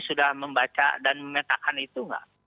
sudah membaca dan memetakan itu nggak